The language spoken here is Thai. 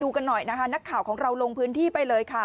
กันหน่อยนะคะนักข่าวของเราลงพื้นที่ไปเลยค่ะ